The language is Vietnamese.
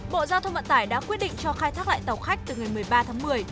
bộ giao thông vận tải đã quyết định cho khai thác lại tàu khách từ ngày một mươi ba tháng một mươi